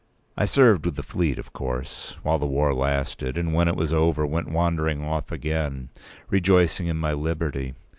I served with the fleet, of course, while the war lasted; and when it was over, went wandering off again, rejoicing in my liberty.